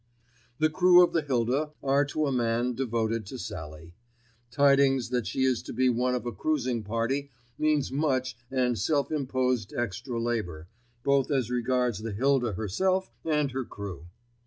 The crew of the Hilda are to a man devoted to Sallie. Tidings that she is to be one of a cruising party means much and self imposed extra labour, both as regards the Hilda herself and her crew.